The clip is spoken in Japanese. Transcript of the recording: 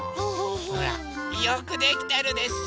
ほらよくできてるでしょ！